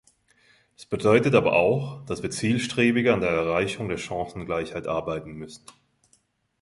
Das bedeutet aber auch, dass wir zielstrebiger an der Erreichung der Chancengleichheit arbeiten müssen.